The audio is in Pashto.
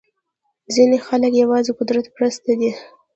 ځینې خلک یوازې قدرت پرسته دي.